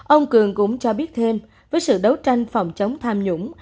ông cường cũng cho biết thêm với sự đấu tranh phòng chống tham nhũng